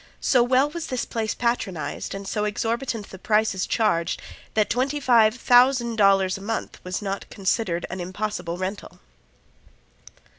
So well was this place patronized and so exorbitant the prices charged that twenty five thousand dollars a month was not considered an impossible rental.